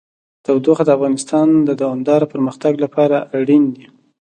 تودوخه د افغانستان د دوامداره پرمختګ لپاره اړین دي.